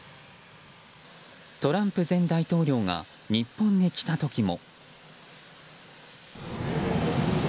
トランプ前大統領が日本に来た時も。